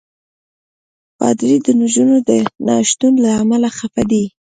پادري د نجونو د نه شتون له امله خفه دی.